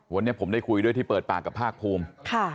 วันนี้ผมได้คุยด้วยที่เปิดปากกับภาคภูมิ